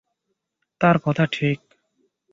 তার কথা ঠিক!